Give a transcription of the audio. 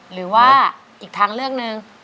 หรือว่าอีกทางเลือกหนึ่ง